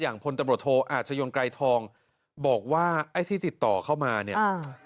อย่างพลตำรวจโทอาจจะยนต์ไกลทองบอกว่าไอ้ที่ติดต่อเข้ามาเนี่ย